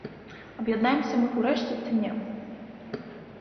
Аб'яднаемся мы ўрэшце ці не?